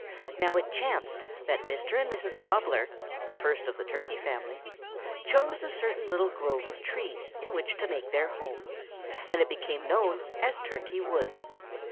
"Now it chanced that Mr. and Mrs. Gobbler, the first of the Turkey family, chose a certain little grove of trees in which to make their home, and it became known as Turkey Wood.